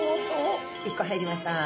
１個入りました。